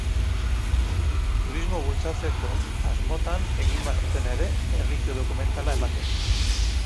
Turismo bultzatzeko asmotan egin bazuten ere, erlijio dokumentala ematen du.